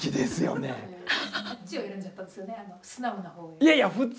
いやいや普通。